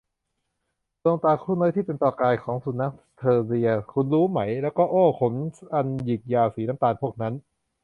ดวงตาคู่น้อยที่เป็นประกายของสุนัขเทอร์เรีย คุณรู้ไหม และก็ โอ้ ขนอันหยิกยาวสีน้ำตาลพวกนั้น !